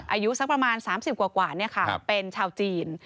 อายุสักประมาณ๓๐กว่าเนี่ยค่ะเป็นชาวจีน